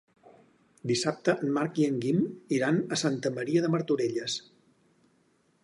Dissabte en Marc i en Guim iran a Santa Maria de Martorelles.